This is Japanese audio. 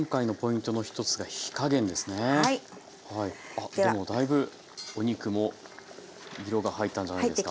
あっでもだいぶお肉も色が入ったんじゃないですか。